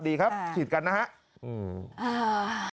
ดีครับฉีดกันนะฮะอืมอ้าว